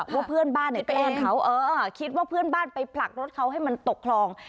ว่าเพื่อนบ้านเนี่ยแกล้งเขาคิดว่าเพื่อนบ้านไปผลักรถเขาให้มันตกคลอง